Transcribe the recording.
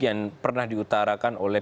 yang pernah diutarakan oleh